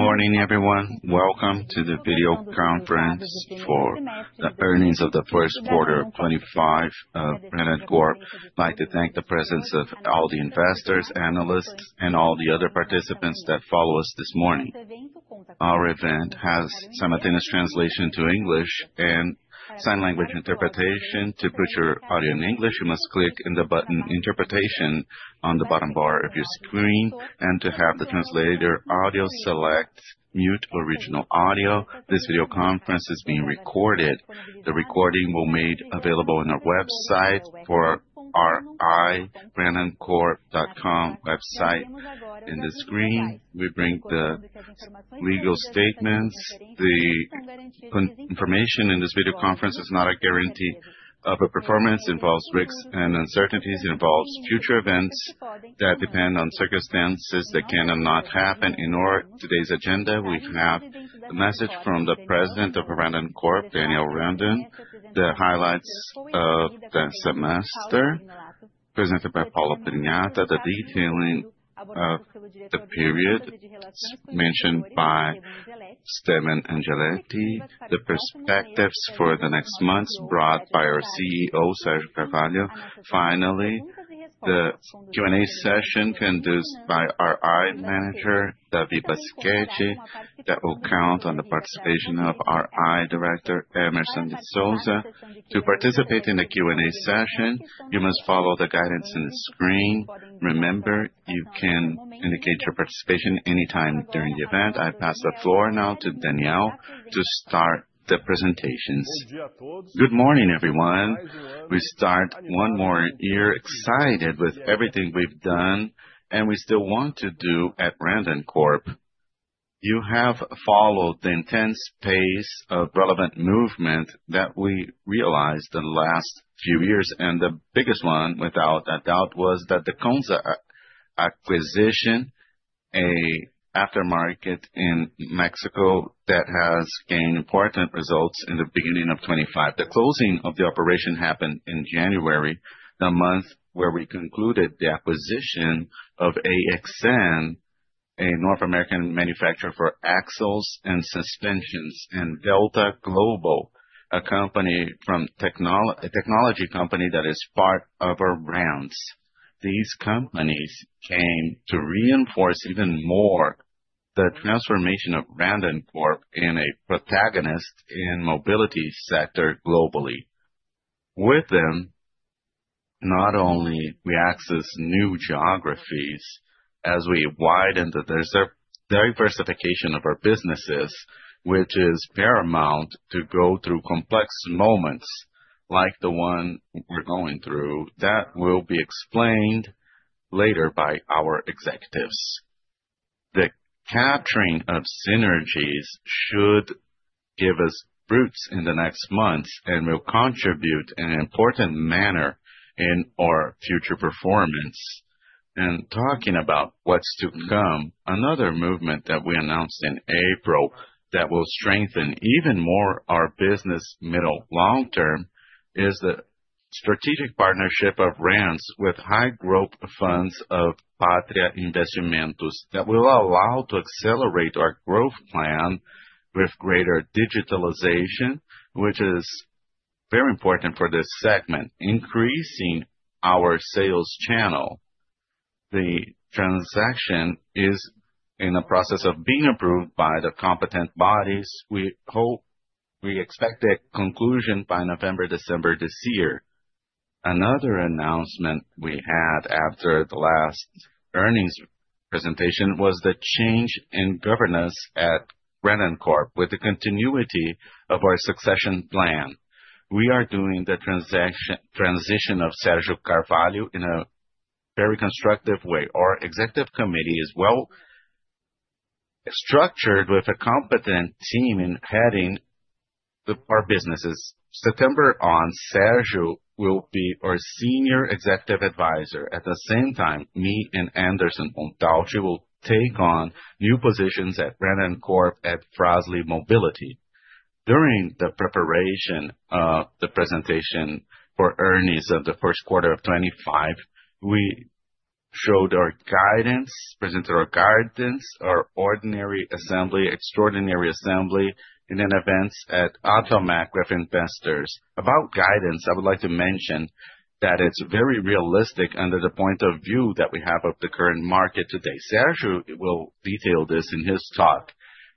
Good morning, everyone. Welcome to the video conference for the earnings of the first quarter of 2025 of Randoncorp. I'd like to thank the presence of all the investors, analysts, and all the other participants that follow us this morning. Our event has simultaneous translation to English and sign language interpretation. To put your audio in English, you must click the button "Interpretation" on the bottom bar of your screen, and to have the translator audio select, mute original audio. This video conference is being recorded. The recording will be made available on our website, forrandonsa.com. Website in the screen. We bring the legal statements. The information in this video conference is not a guarantee of a performance. It involves risks and uncertainties. It involves future events that depend on circumstances that can or not happen. In order for today's agenda, we have the message from the president of Randoncorp, Daniel Randon, the highlights of the semester presented by Paula Pignata, the detailing of the period mentioned by Steven Angeletti, the perspectives for the next months brought by our CEO, Sergio Carvalho. Finally, the Q&A session conducted by our IR manager, Davi Basicheggi, that will count on the participation of our IR director, Emerson De Souza. To participate in the Q&A session, you must follow the guidance on the screen. Remember, you can indicate your participation anytime during the event. I pass the floor now to Daniel to start the presentations. Good morning, everyone. We start one more year excited with everything we've done and we still want to do at Randoncorp. You have followed the intense pace of relevant movement that we realized in the last few years, and the biggest one, without a doubt, was the KONSA acquisition, an aftermarket in Mexico that has gained important results in the beginning of 25. The closing of the operation happened in January, the month where we concluded the acquisition of AXN, a North American manufacturer for axles and suspensions, and Delta Global, a technology company that is part of our brands. These companies came to reinforce even more the transformation of Randoncorp in a protagonist in the mobility sector globally. With them, not only do we access new geographies as we widen the diversification of our businesses, which is paramount to go through complex moments like the one we're going through that will be explained later by our executives. The capturing of synergies should give us boosts in the next months and will contribute in an important manner in our future performance. Talking about what's to come, another movement that we announced in April that will strengthen even more our business middle long term is the strategic partnership of Randon with high growth funds of Patria Investimentos that will allow us to accelerate our growth plan with greater digitalization, which is very important for this segment, increasing our sales channel. The transaction is in the process of being approved by the competent bodies. We hope we expect a conclusion by November, December this year. Another announcement we had after the last earnings presentation was the change in governance at Randon Corp with the continuity of our succession plan. We are doing the transition of Sergio Carvalho in a very constructive way. Our executive committee is well structured with a competent team in heading our businesses. September on, Sergio will be our Senior Executive Advisor. At the same time, me and Anderson Montalchi will take on new positions at Randoncorp at Fras-le Mobility. During the preparation of the presentation for earnings of the first quarter of 25, we showed our guidance, presented our guidance, our ordinary assembly, extraordinary assembly in an event at Automac with investors. About guidance, I would like to mention that it is very realistic under the point of view that we have of the current market today. Sergio will detail this in his talk.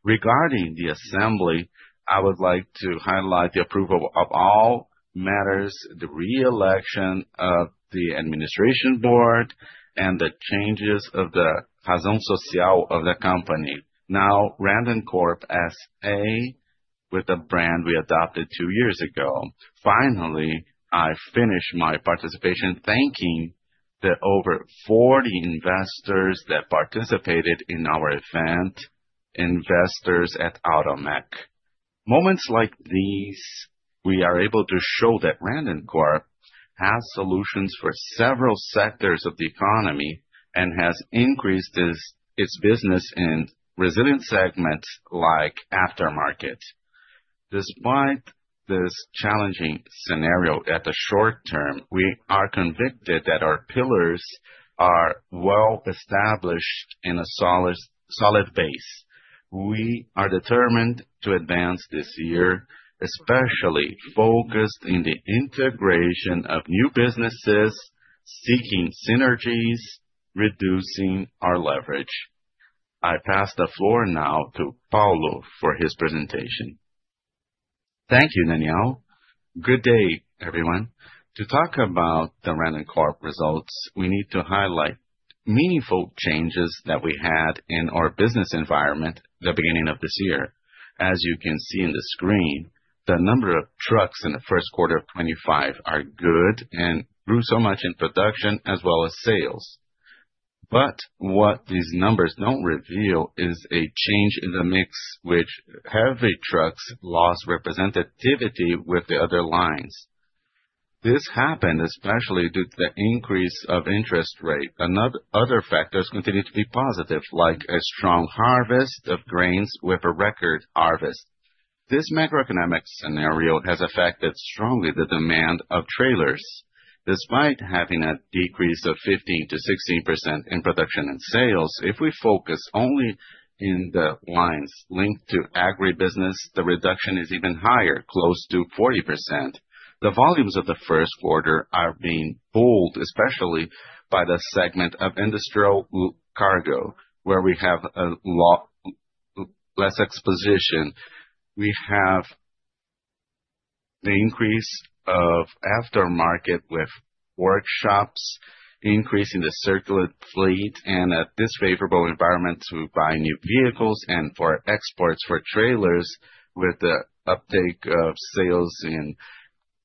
Regarding the assembly, I would like to highlight the approval of all matters, the reelection of the administration board, and the changes of the raison sociale of the company. Now, Randoncorp as A with a brand we adopted two years ago. Finally, I finished my participation thanking the over 40 investors that participated in our event, investors at Automac. Moments like these, we are able to show that Randoncorp has solutions for several sectors of the economy and has increased its business in resilient segments like aftermarket. Despite this challenging scenario at the short term, we are convicted that our pillars are well established and a solid base. We are determined to advance this year, especially focused in the integration of new businesses seeking synergies, reducing our leverage. I pass the floor now to Paula for her presentation. Thank you, Daniel. Good day, everyone. To talk about the Randon Corp results, we need to highlight meaningful changes that we had in our business environment at the beginning of this year. As you can see on the screen, the number of trucks in the first quarter of 2025 are good and grew so much in production as well as sales. What these numbers do not reveal is a change in the mix, in which heavy trucks lost representativity with the other lines. This happened especially due to the increase of interest rate. Other factors continue to be positive, like a strong harvest of grains with a record harvest. This macroeconomic scenario has affected strongly the demand of trailers. Despite having a decrease of 15%-16% in production and sales, if we focus only on the lines linked to agribusiness, the reduction is even higher, close to 40%. The volumes of the first quarter are being pulled, especially by the segment of industrial cargo, where we have less exposition. We have the increase of aftermarket with workshops, increasing the circular fleet, and a disfavorable environment to buy new vehicles and for exports for trailers with the uptake of sales in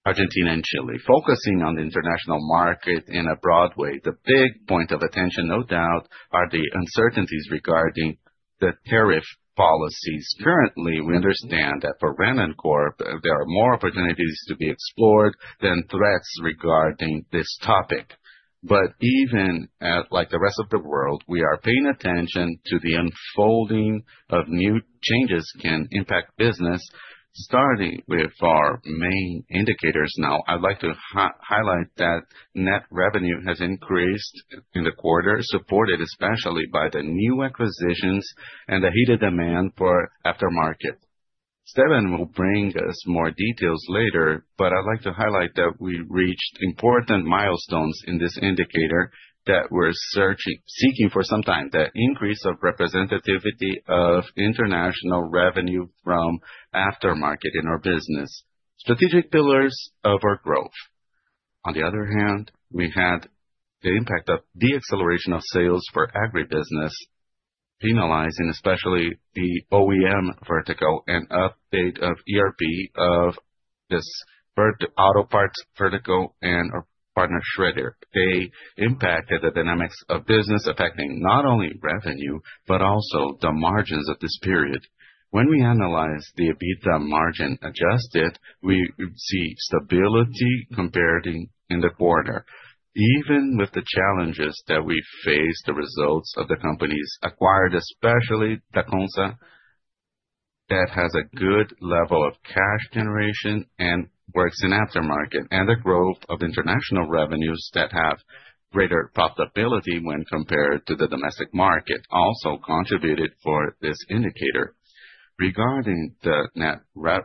Argentina and Chile, focusing on the international market in a broad way. The big point of attention, no doubt, are the uncertainties regarding the tariff policies. Currently, we understand that for Randon, there are more opportunities to be explored than threats regarding this topic. Even like the rest of the world, we are paying attention to the unfolding of new changes that can impact business, starting with our main indicators. Now, I'd like to highlight that net revenue has increased in the quarter, supported especially by the new acquisitions and the heated demand for aftermarket. Steven will bring us more details later, but I'd like to highlight that we reached important milestones in this indicator that we're seeking for some time, the increase of representativity of international revenue from aftermarket in our business, strategic pillars of our growth. On the other hand, we had the impact of the acceleration of sales for agribusiness, penalizing especially the OEM vertical and update of ERP of this auto parts vertical and our partner Schroeder. They impacted the dynamics of business, affecting not only revenue, but also the margins of this period. When we analyze the EBITDA margin adjusted, we see stability compared in the quarter. Even with the challenges that we faced, the results of the companies acquired, especially KONSA, that has a good level of cash generation and works in aftermarket, and the growth of international revenues that have greater profitability when compared to the domestic market also contributed for this indicator. Regarding the net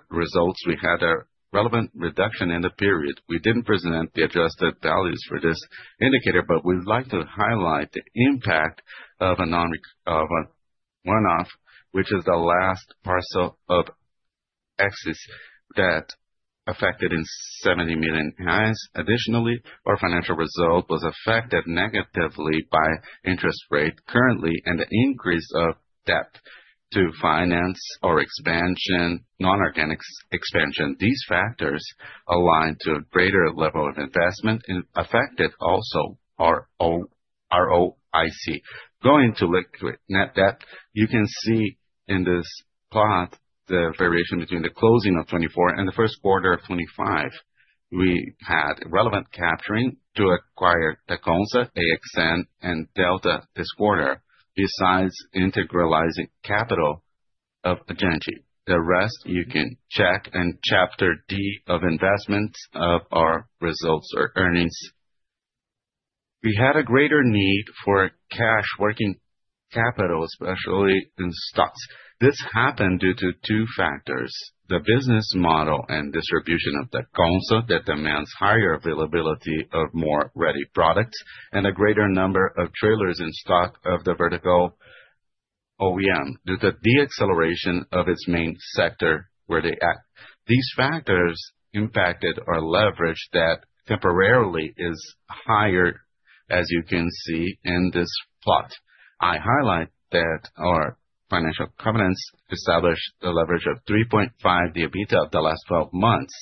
results, we had a relevant reduction in the period. We did not present the adjusted values for this indicator, but we'd like to highlight the impact of a non-one-off, which is the last parcel of excess that affected in 70 million reais cash. Additionally, our financial result was affected negatively by interest rate currently and the increase of debt to finance our expansion, non-organic expansion. These factors align to a greater level of investment and affected also our ROIC. Going to liquid net debt, you can see in this plot the variation between the closing of 24 and the first quarter of 25. We had relevant capturing to acquire the KONSA, AXN, and Delta this quarter, besides integralizing capital of Agenchi. The rest you can check in chapter D of investments of our results or earnings. We had a greater need for cash working capital, especially in stocks. This happened due to two factors: the business model and distribution of the KONSA that demands higher availability of more ready products and a greater number of trailers in stock of the vertical OEM due to the acceleration of its main sector where they act. These factors impacted our leverage that temporarily is higher, as you can see in this plot. I highlight that our financial covenants established the leverage of 3.5 EBITDA of the last 12 months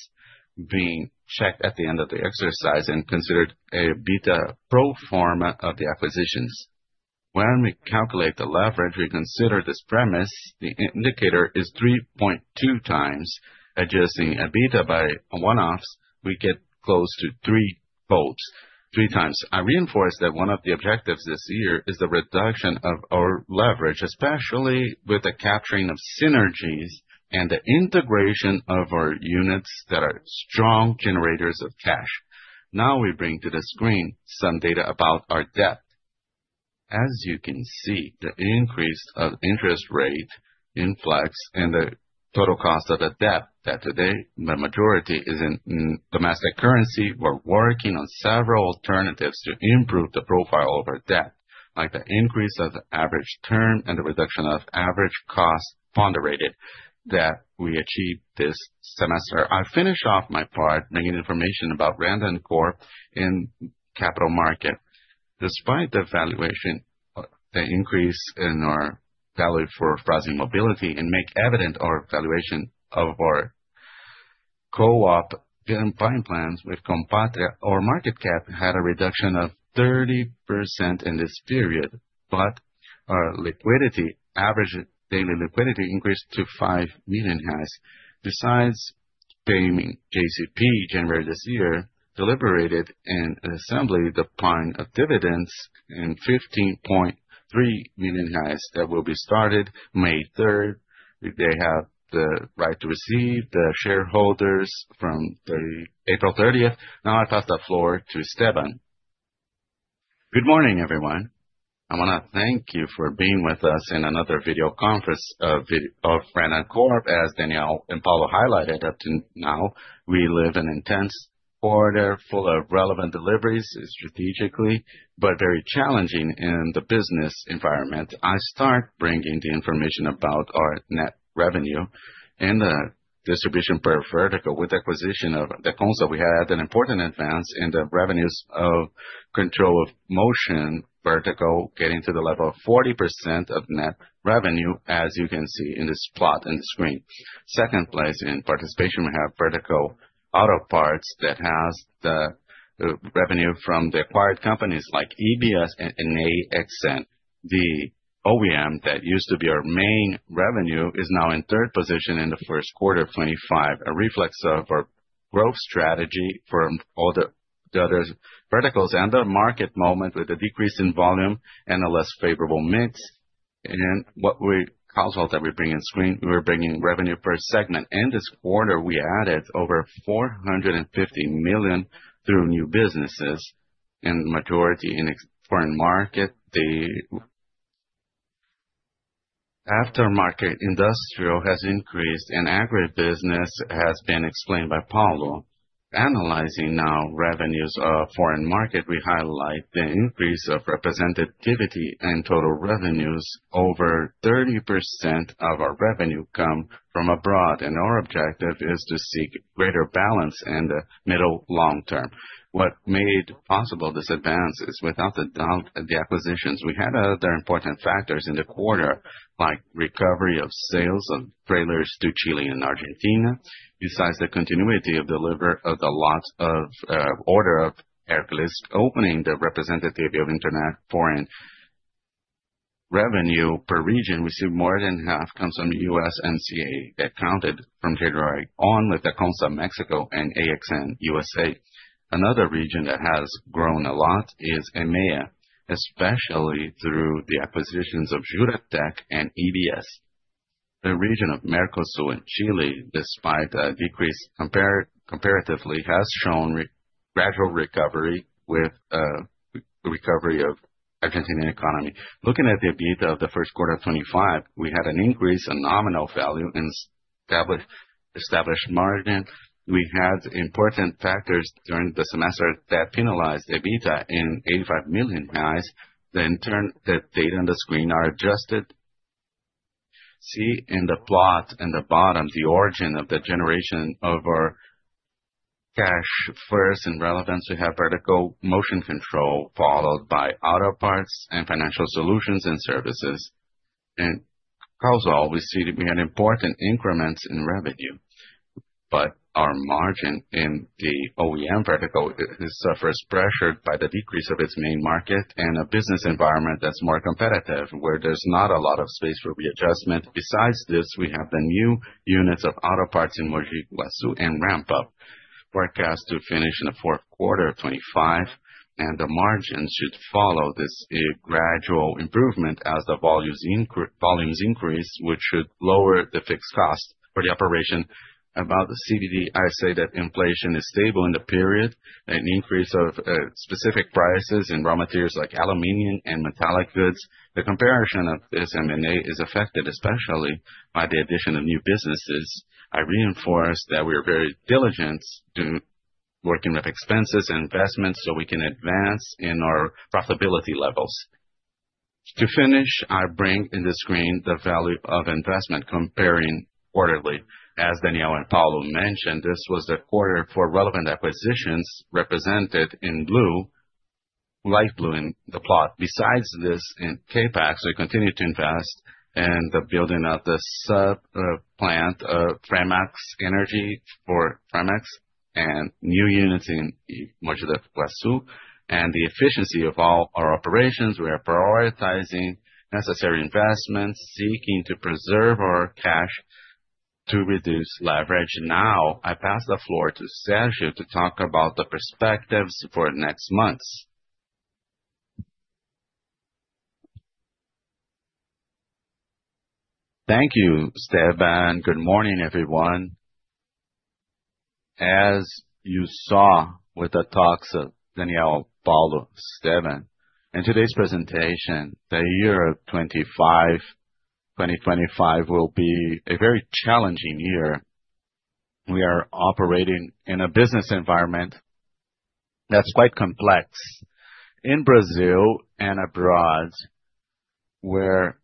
being checked at the end of the exercise and considered a EBITDA pro forma of the acquisitions. When we calculate the leverage, we consider this premise. The indicator is 3.2 times adjusting EBITDA by one-offs. We get close to three folds, three times. I reinforce that one of the objectives this year is the reduction of our leverage, especially with the capturing of synergies and the integration of our units that are strong generators of cash. Now we bring to the screen some data about our debt. As you can see, the increase of interest rate inflex and the total cost of the debt that today, the majority is in domestic currency. We're working on several alternatives to improve the profile of our debt, like the increase of the average term and the reduction of average cost ponderated that we achieved this semester. I finish off my part bringing information about Randon Corp in capital market. Despite the valuation, the increase in our value for Fras-le Mobility and make evident our valuation of our co-op buying plans with Companhia, our market cap had a reduction of 30% in this period, but our liquidity, average daily liquidity increased to 5 million cash. Besides paying JCP January this year, deliberated in assembly the plan of dividends in 15.3 million cash that will be started May 3rd. They have the right to receive the shareholders from April 30th. Now I pass the floor to Steven. Good morning, everyone. I want to thank you for being with us in another video conference of Randon Corp, as Daniel and Paula highlighted up to now. We live in an intense quarter full of relevant deliveries strategically, but very challenging in the business environment. I start bringing the information about our net revenue and the distribution per vertical with the acquisition of KONSA. We had an important advance in the revenues of control of motion vertical, getting to the level of 40% of net revenue, as you can see in this plot on the screen. Second place in participation, we have vertical auto parts that has the revenue from the acquired companies like EBS and AXN. The OEM that used to be our main revenue is now in third position in the first quarter of 25, a reflex of our growth strategy for all the other verticals and the market moment with a decrease in volume and a less favorable mix. What we consult that we bring in screen, we were bringing revenue per segment. In this quarter, we added over 450 million through new businesses and majority in foreign market. The aftermarket industrial has increased and agribusiness has been explained by Paulo. Analyzing now revenues of foreign market, we highlight the increase of representativity in total revenues. Over 30% of our revenue come from abroad, and our objective is to seek greater balance in the middle long term. What made possible this advance is, without the doubt, the acquisitions. We had other important factors in the quarter, like recovery of sales of trailers to Chile and Argentina. Besides the continuity of delivery of the lot of order of air glist opening, the representative of internet foreign revenue per region received more than half comes from USMCA that counted from January on with the KONSA Mexico and AXN USA. Another region that has grown a lot is EMEA, especially through the acquisitions of Juratek and EBS. The region of Mercosur in Chile, despite a decrease comparatively, has shown gradual recovery with a recovery of the Argentine economy. Looking at the EBITDA of the first quarter of 25, we had an increase in nominal value and established margin. We had important factors during the semester that penalized EBITDA in 85 million reais cash. The data on the screen are adjusted. See in the plot in the bottom, the origin of the generation of our cash first and relevance. We have vertical motion control followed by auto parts and financial solutions and services. Also, we see we had important increments in revenue, but our margin in the OEM vertical suffers pressure by the decrease of its main market and a business environment that's more competitive, where there's not a lot of space for readjustment. Besides this, we have the new units of auto parts in Mojiguaçu and ramp-up. We're cast to finish in the fourth quarter of 25, and the margin should follow this gradual improvement as the volumes increase, which should lower the fixed cost for the operation. About the CBD, I say that inflation is stable in the period, an increase of specific prices in raw materials like aluminum and metallic goods. The comparison of this M&A is affected especially by the addition of new businesses. I reinforce that we are very diligent to working with expenses and investments so we can advance in our profitability levels. To finish, I bring in the screen the value of investment comparing quarterly. As Daniel and Paula mentioned, this was the quarter for relevant acquisitions represented in blue, light blue in the plot. Besides this, in Capex, we continue to invest in the building of the subplant of Framex Energy for Framex and new units in Mojiguaçu, and the efficiency of all our operations. We are prioritizing necessary investments, seeking to preserve our cash to reduce leverage. Now, I pass the floor to Sergio to talk about the perspectives for next months. Thank you, Steven. Good morning, everyone. As you saw with the talks of Daniel, Paula, Steven, in today's presentation, the year 25 will be a very challenging year. We are operating in a business environment that's quite complex in Brazil and abroad, where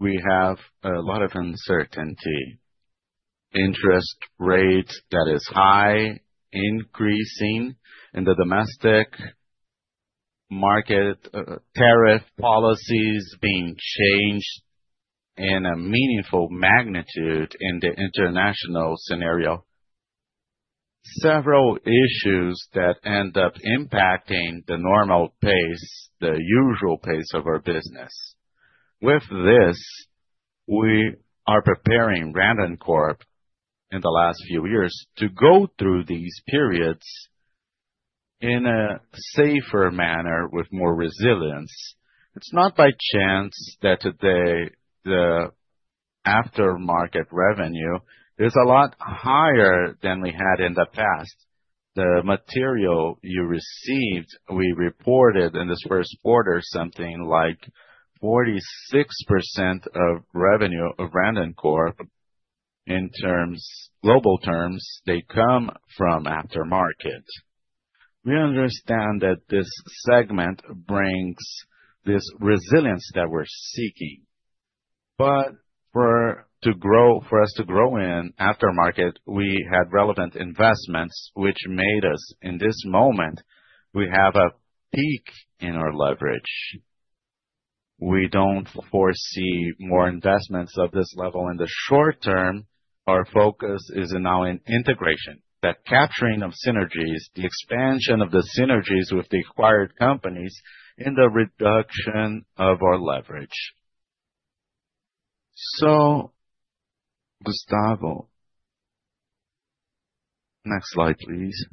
we have a lot of uncertainty. Interest rate that is high, increasing in the domestic market, tariff policies being changed in a meaningful magnitude in the international scenario. Several issues that end up impacting the normal pace, the usual pace of our business. With this, we are preparing Randon in the last few years to go through these periods in a safer manner with more resilience. It's not by chance that today the aftermarket revenue is a lot higher than we had in the past. The material you received, we reported in this first quarter, something like 46% of revenue of Randon in global terms, they come from aftermarket. We understand that this segment brings this resilience that we're seeking. For us to grow in aftermarket, we had relevant investments, which made us in this moment, we have a peak in our leverage. We do not foresee more investments of this level in the short term. Our focus is now in integration, the capturing of synergies, the expansion of the synergies with the acquired companies in the reduction of our leverage. Gustavo, next slide, please.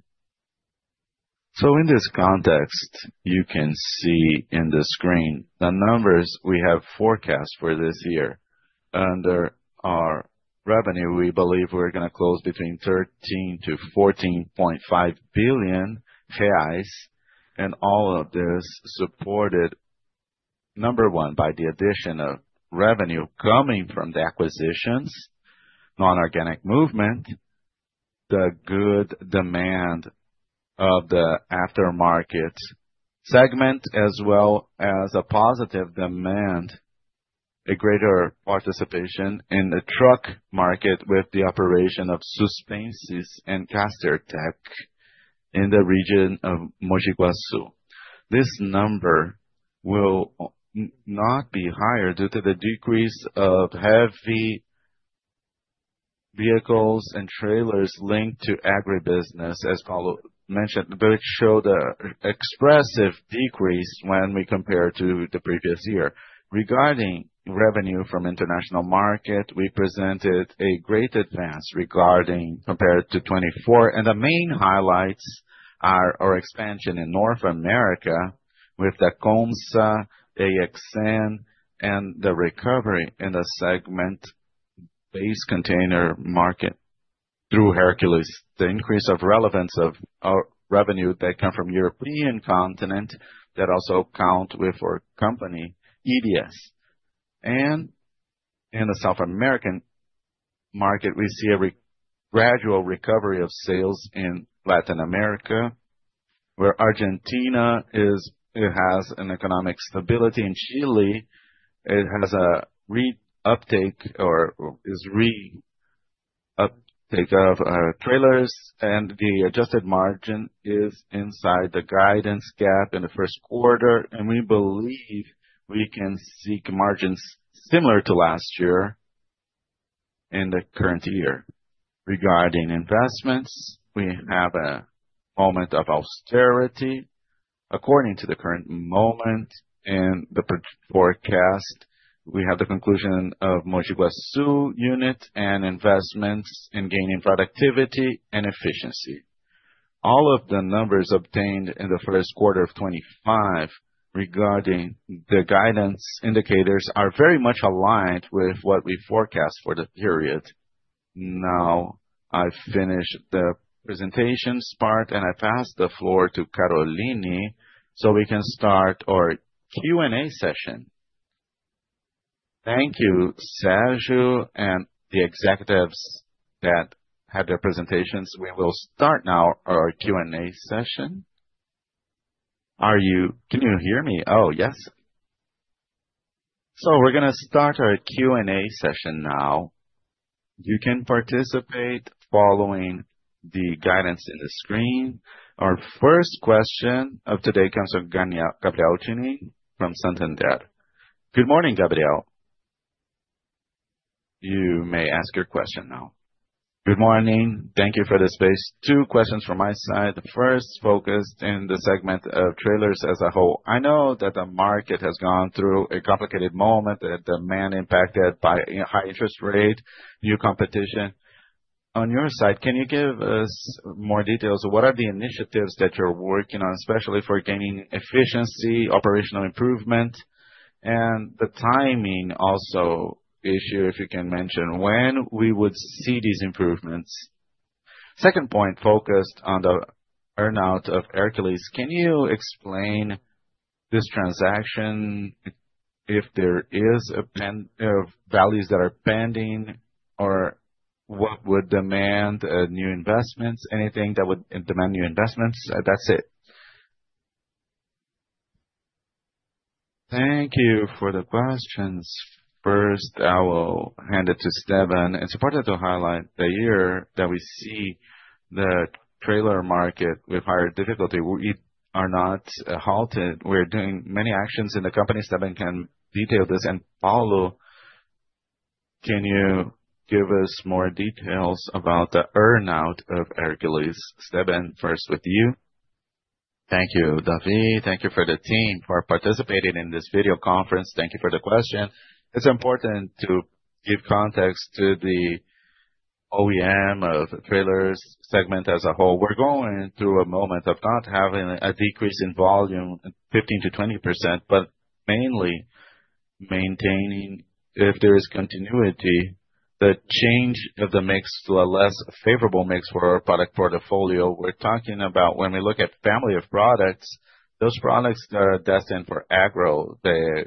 In this context, you can see in the screen the numbers we have forecast for this year. Under our revenue, we believe we're going to close between 13 billion and 14.5 billion reais, and all of this supported, number one, by the addition of revenue coming from the acquisitions, non-organic movement, the good demand of the aftermarket segment, as well as a positive demand, a greater participation in the truck market with the operation of Suspensys and Caster Tech in the region of Mojiguaçu. This number will not be higher due to the decrease of heavy vehicles and trailers linked to agribusiness, as Paula mentioned, but it showed an expressive decrease when we compare to the previous year. Regarding revenue from the international market, we presented a great advance compared to 24, and the main highlights are our expansion in North America with KONSA, AXN, and the recovery in the segment-based container market through Hercules. The increase of relevance of our revenue that come from the European continent that also count with our company, EBS. In the South American market, we see a gradual recovery of sales in Latin America, where Argentina has an economic stability, and Chile has a re-uptake or is re-uptake of trailers, and the adjusted margin is inside the guidance gap in the first quarter, and we believe we can seek margins similar to last year in the current year. Regarding investments, we have a moment of austerity. According to the current moment in the forecast, we have the conclusion of Mojiguaçu unit and investments in gaining productivity and efficiency. All of the numbers obtained in the first quarter of 25 regarding the guidance indicators are very much aligned with what we forecast for the period. Now I finish the presentation part, and I pass the floor to Caroline so we can start our Q&A session. Thank you, Sergio, and the executives that had their presentations. We will start now our Q&A session. Are you—can you hear me? Oh, yes. We are going to start our Q&A session now. You can participate following the guidance on the screen. Our first question of today comes from Gabriel Chini from Santander. Good morning, Gabriel. You may ask your question now. Good morning. Thank you for the space. Two questions from my side. The first focused in the segment of trailers as a whole. I know that the market has gone through a complicated moment with demand impacted by a high interest rate, new competition. On your side, can you give us more details? What are the initiatives that you're working on, especially for gaining efficiency, operational improvement, and the timing also issue, if you can mention when we would see these improvements? Second point focused on the earnout of Hercules. Can you explain this transaction if there are values that are pending or what would demand new investments? Anything that would demand new investments? That's it. Thank you for the questions. First, I will hand it to Steven. It's important to highlight the year that we see the trailer market with higher difficulty. We are not halted. We're doing many actions in the company. Steven can detail this and Paulo, can you give us more details about the earnout of Hercules? Steven, first with you. Thank you, David. Thank you for the team for participating in this video conference. Thank you for the question. It's important to give context to the OEM of trailers segment as a whole. We're going through a moment of not having a decrease in volume, 15%-20%, but mainly maintaining, if there is continuity, the change of the mix, the less favorable mix for our product portfolio. We're talking about when we look at family of products, those products that are destined for agro, the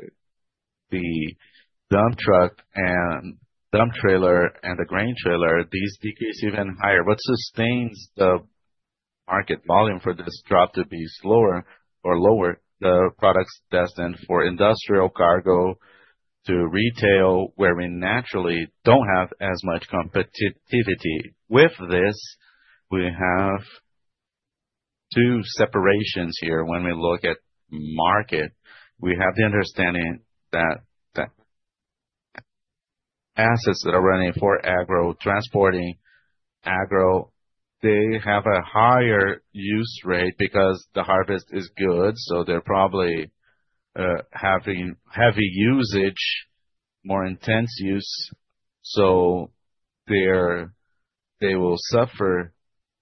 dump truck and dump trailer and the grain trailer, these decrease even higher. What sustains the market volume for this drop to be slower or lower? The products destined for industrial cargo to retail, where we naturally don't have as much competitivity. With this, we have two separations here. When we look at market, we have the understanding that assets that are running for agro, transporting agro, they have a higher use rate because the harvest is good. They are probably having heavy usage, more intense use. They will suffer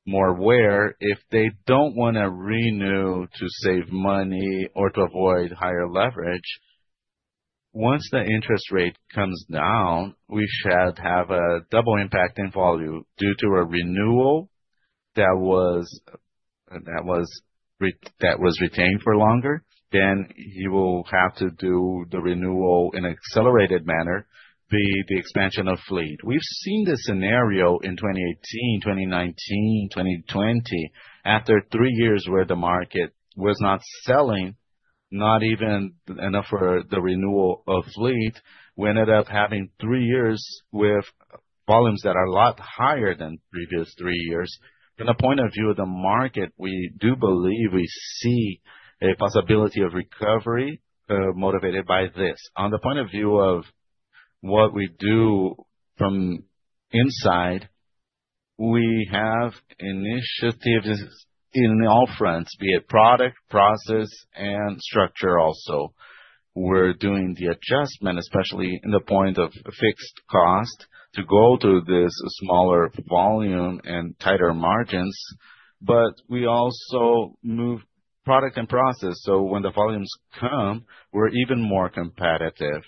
more wear if they do not want to renew to save money or to avoid higher leverage. Once the interest rate comes down, we should have a double impact in volume due to a renewal that was retained for longer. You will have to do the renewal in an accelerated manner, be the expansion of fleet. We have seen this scenario in 2018, 2019, 2020, after three years where the market was not selling, not even enough for the renewal of fleet. We ended up having three years with volumes that are a lot higher than the previous three years. From the point of view of the market, we do believe we see a possibility of recovery motivated by this. On the point of view of what we do from inside, we have initiatives in all fronts, be it product, process, and structure also. We are doing the adjustment, especially in the point of fixed cost, to go to this smaller volume and tighter margins. We also move product and process. When the volumes come, we are even more competitive.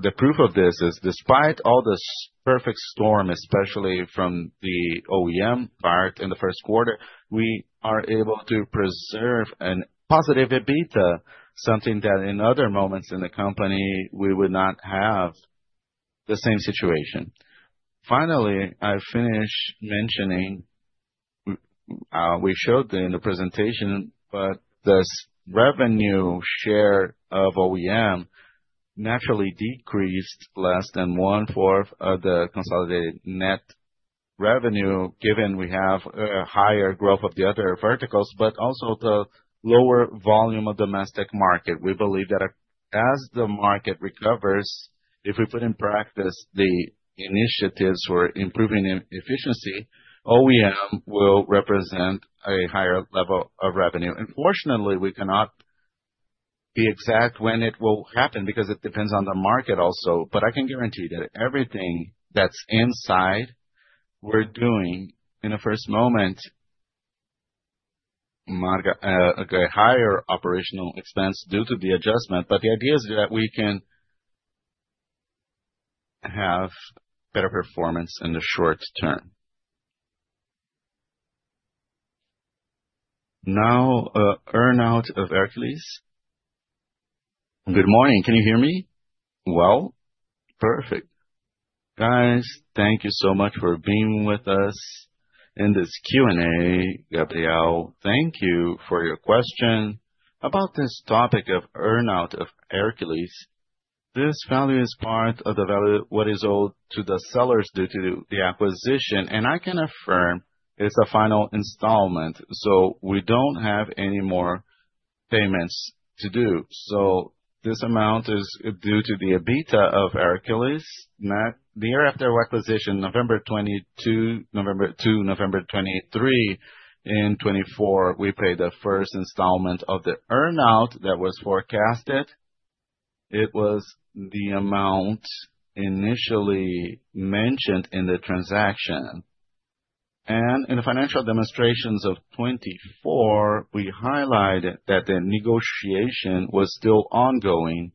The proof of this is, despite all this perfect storm, especially from the OEM part in the first quarter, we are able to preserve a positive beta, something that in other moments in the company, we would not have the same situation. Finally, I finished mentioning we showed in the presentation, but this revenue share of OEM naturally decreased, less than one-fourth of the consolidated net revenue, given we have a higher growth of the other verticals, but also the lower volume of domestic market. We believe that as the market recovers, if we put in practice the initiatives for improving efficiency, OEM will represent a higher level of revenue. Unfortunately, we cannot be exact when it will happen because it depends on the market also. I can guarantee that everything that's inside we're doing in the first moment market a higher operational expense due to the adjustment. The idea is that we can have better performance in the short term. Now, earnout of Hercules. Good morning. Can you hear me? Perfect. Guys, thank you so much for being with us in this Q&A, Gabriel. Thank you for your question about this topic of earnout of Hercules. This value is part of the value what is owed to the sellers due to the acquisition. I can affirm it's a final installment. We do not have any more payments to do. This amount is due to the beta of Hercules. The year after acquisition, November 22, November 23, in 24, we paid the first installment of the earnout that was forecasted. It was the amount initially mentioned in the transaction. In the financial demonstrations of 24, we highlighted that the negotiation was still ongoing.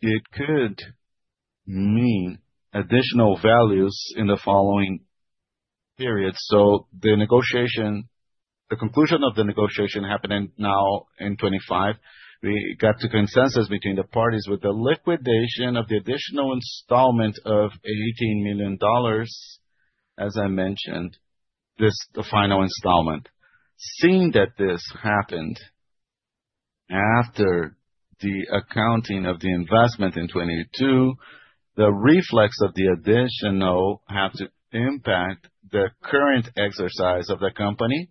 It could mean additional values in the following period. The conclusion of the negotiation happening now in 25, we got to consensus between the parties with the liquidation of the additional installment of $18 million, as I mentioned, this final installment. Seeing that this happened after the accounting of the investment in 22, the reflex of the additional had to impact the current exercise of the company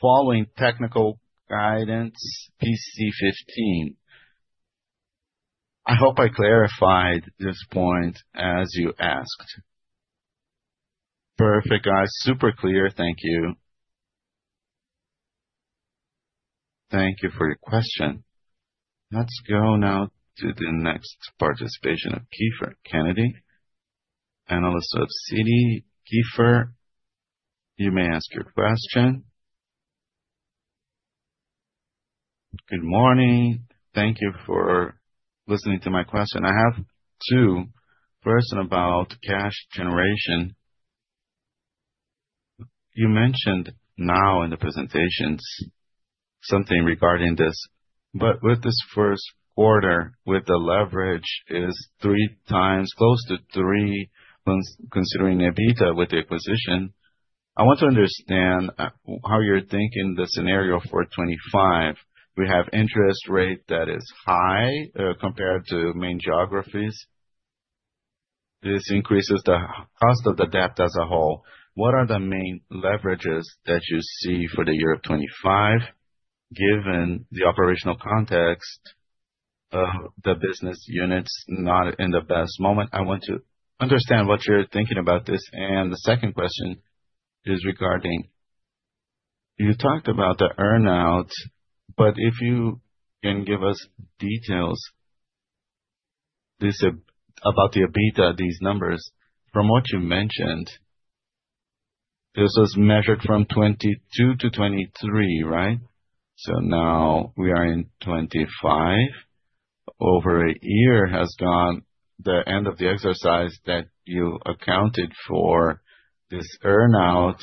following technical guidance PC15. I hope I clarified this point as you asked. Perfect, guys. Super clear. Thank you. Thank you for your question. Let's go now to the next participation of Kiefer Kennedy, analyst of Citi. Kiefer, you may ask your question. Good morning. Thank you for listening to my question. I have two. First, about cash generation. You mentioned now in the presentations something regarding this. With this first quarter, with the leverage is three times, close to three, considering EBITDA with the acquisition. I want to understand how you're thinking the scenario for 2025. We have interest rate that is high compared to main geographies. This increases the cost of the debt as a whole. What are the main leverages that you see for the year of 25, given the operational context of the business units not in the best moment? I want to understand what you're thinking about this. The second question is regarding you talked about the earnout, but if you can give us details about the EBITDA, these numbers. From what you mentioned, this was measured from 22 to 23, right? Now we are in 25. Over a year has gone since the end of the exercise that you accounted for this earnout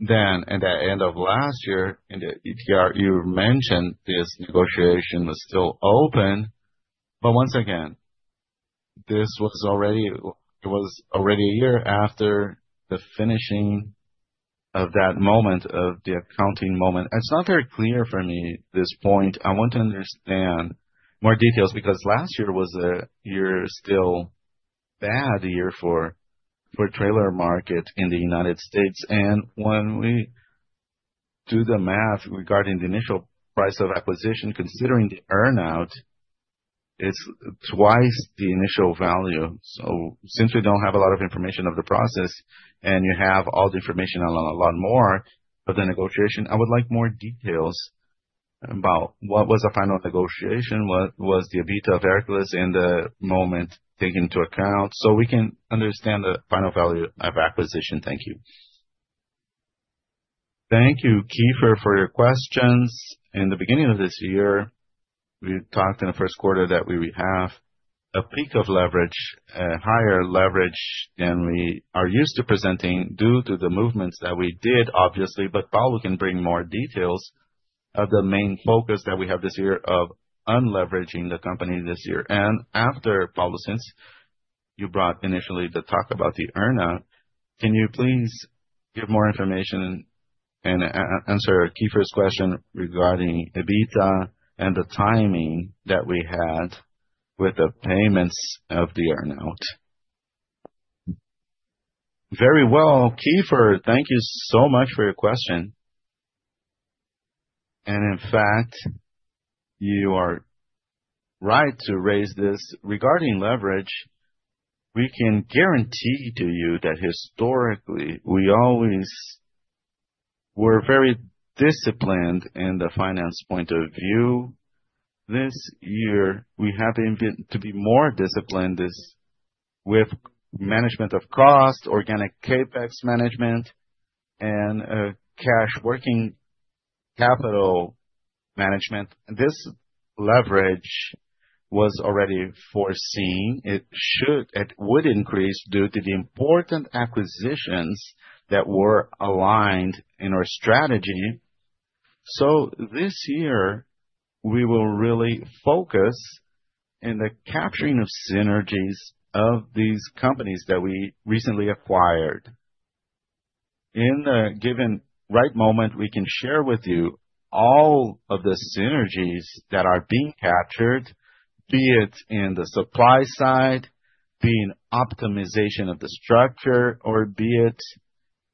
then. At the end of last year in the ETR, you mentioned this negotiation was still open. Once again, this was already a year after the finishing of that moment of the accounting moment. It's not very clear for me this point. I want to understand more details because last year was still a bad year for the trailer market in the United States. When we do the math regarding the initial price of acquisition, considering the earnout, it's twice the initial value. Since we do not have a lot of information of the process and you have all the information on a lot more of the negotiation, I would like more details about what was the final negotiation, what was the EBITDA of Hercules in the moment taken into account so we can understand the final value of acquisition. Thank you. Thank you, Kiefer, for your questions. In the beginning of this year, we talked in the first quarter that we would have a peak of leverage, a higher leverage than we are used to presenting due to the movements that we did, obviously. Paulo can bring more details of the main focus that we have this year of unleveraging the company this year. After, Paulo, since you brought initially the talk about the earnout, can you please give more information and answer Kiefer's question regarding EBITDA and the timing that we had with the payments of the earnout? Very well, Kiefer. Thank you so much for your question. In fact, you are right to raise this regarding leverage. We can guarantee to you that historically, we always were very disciplined in the finance point of view. This year, we have been to be more disciplined with management of cost, organic Capex management, and cash working capital management. This leverage was already foreseen. It would increase due to the important acquisitions that were aligned in our strategy. This year, we will really focus in the capturing of synergies of these companies that we recently acquired. In the given right moment, we can share with you all of the synergies that are being captured, be it in the supply side, being optimization of the structure, or be it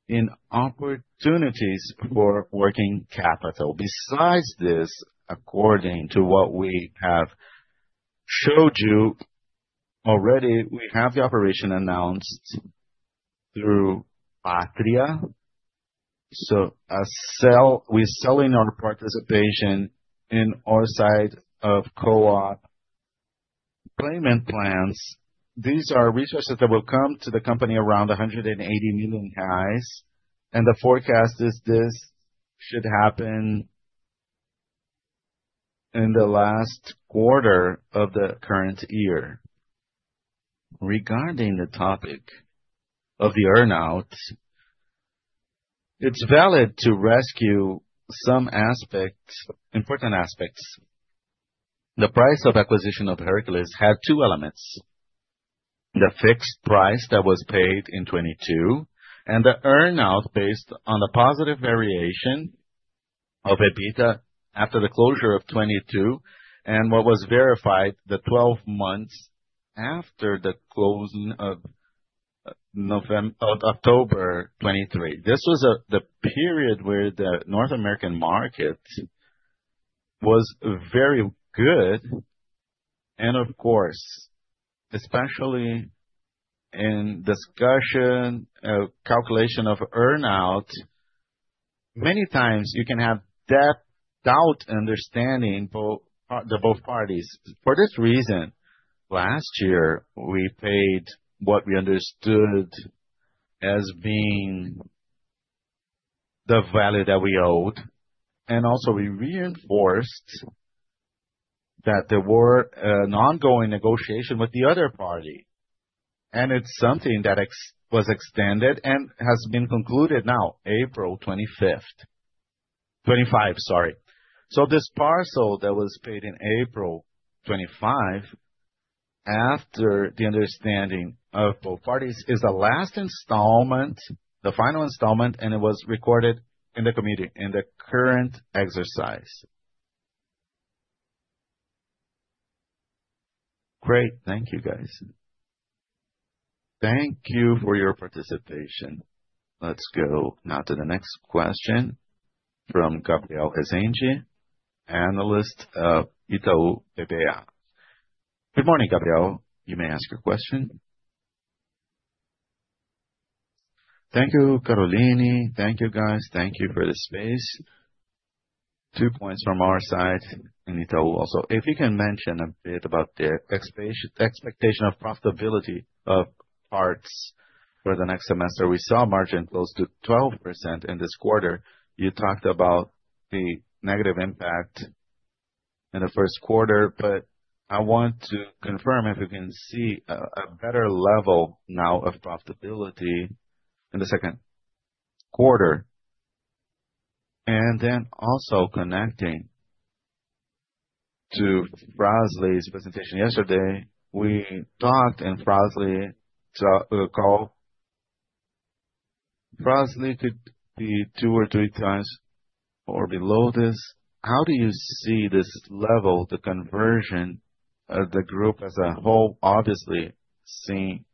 in opportunities for working capital. Besides this, according to what we have showed you already, we have the operation announced through Companhia. We are selling our participation in our side of co-op payment plans. These are resources that will come to the company, around 180 million cash. The forecast is this should happen in the last quarter of the current year. Regarding the topic of the earnout, it is valid to rescue some important aspects. The price of acquisition of Hercules had two elements: the fixed price that was paid in 22 and the earnout based on the positive variation of EBITDA after the closure of 22 and what was verified the 12 months after the closing of October 23. This was the period where the North American market was very good. Of course, especially in discussion, calculation of earnout, many times you can have doubt understanding for both parties. For this reason, last year, we paid what we understood as being the value that we owed. Also, we reinforced that there were an ongoing negotiation with the other party. It is something that was extended and has been concluded now, April 25th. Twenty-five, sorry. This parcel that was paid in April 2025, after the understanding of both parties, is the last installment, the final installment, and it was recorded in the committee in the current exercise. Great. Thank you, guys. Thank you for your participation. Let's go now to the next question from Gabriel Esenji, analyst of Itaú EBA. Good morning, Gabriel. You may ask your question. Thank you, Caroline. Thank you, guys. Thank you for the space. Two points from our side in Itaú also. If you can mention a bit about the expectation of profitability of parts for the next semester. We saw margin close to 12% in this quarter. You talked about the negative impact in the first quarter, but I want to confirm if you can see a better level now of profitability in the second quarter. Also connecting to Fras-le's presentation yesterday, we talked in Fras-le's call. Fras-le could be two or three times or below this. How do you see this level, the conversion of the group as a whole? Obviously, seeing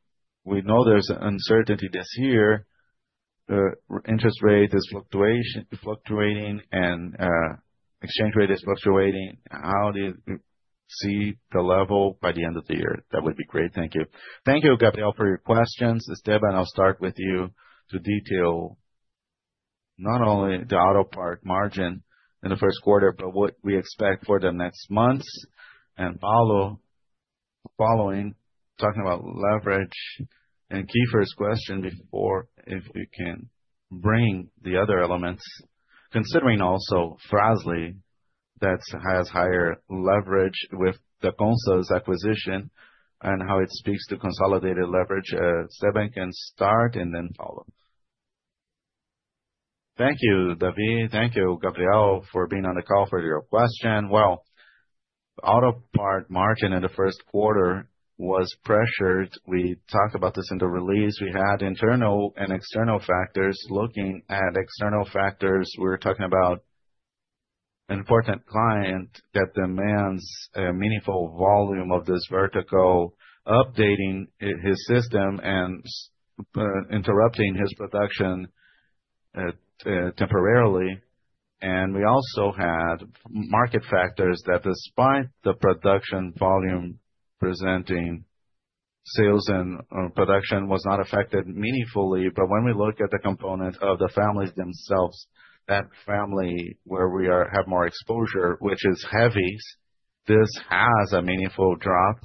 we know there is uncertainty this year, interest rate is fluctuating and exchange rate is fluctuating. How do you see the level by the end of the year? That would be great. Thank you. Thank you, Gabriel, for your questions. Steven, I'll start with you to detail not only the auto part margin in the first quarter, but what we expect for the next months and following talking about leverage. And Kiefer's question before, if you can bring the other elements, considering also Fras-le that has higher leverage with the KONSA acquisition and how it speaks to consolidated leverage, Steven can start and then follow. Thank you, David. Thank you, Gabriel, for being on the call for your question. Auto part margin in the first quarter was pressured. We talked about this in the release. We had internal and external factors. Looking at external factors, we were talking about an important client that demands a meaningful volume of this vertical, updating his system and interrupting his production temporarily. We also had market factors that, despite the production volume presenting, sales and production was not affected meaningfully. When we look at the component of the families themselves, that family where we have more exposure, which is heavies, this has a meaningful drop,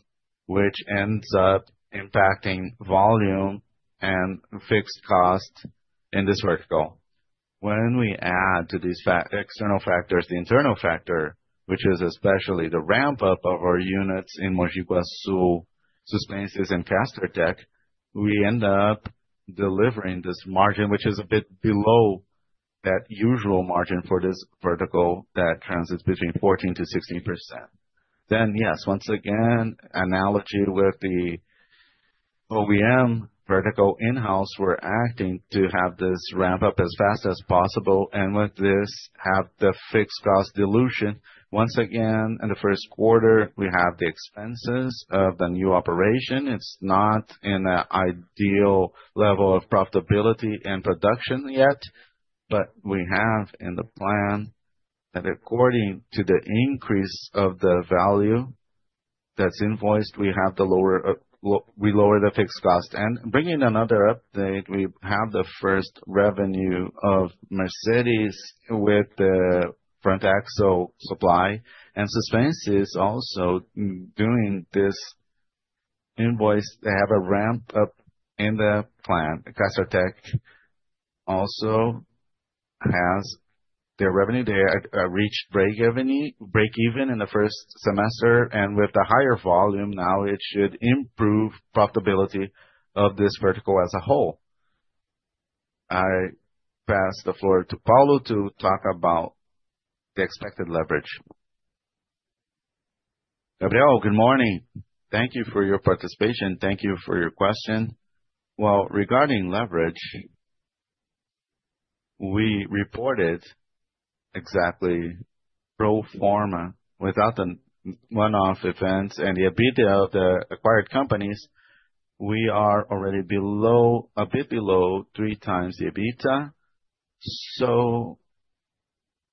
which ends up impacting volume and fixed cost in this vertical. When we add to these external factors the internal factor, which is especially the ramp-up of our units in Mojiguaçu, Suspensys, and Caster Tech, we end up delivering this margin, which is a bit below that usual margin for this vertical that transits between 14%-16%. Yes, once again, analogy with the OEM vertical in-house, we're acting to have this ramp-up as fast as possible. With this, we have the fixed cost dilution. Once again, in the first quarter, we have the expenses of the new operation. It's not in an ideal level of profitability and production yet, but we have in the plan that according to the increase of the value that's invoiced, we lower the fixed cost. Bringing another update, we have the first revenue of Mercedes with the front axle supply, and Suspensys also doing this invoice. They have a ramp-up in the plan. Caster Tech also has their revenue there reached break-even in the first semester. With the higher volume now, it should improve profitability of this vertical as a whole. I pass the floor to Paulo to talk about the expected leverage. Gabriel, good morning. Thank you for your participation. Thank you for your question. Regarding leverage, we reported exactly pro forma without the one-off events and the EBITDA of the acquired companies. We are already a bit below three times the EBITDA.